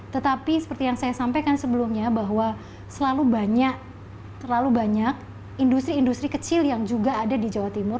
tetapi seperti yang saya sampaikan sebelumnya bahwa selalu banyak terlalu banyak industri industri kecil yang juga ada di jawa timur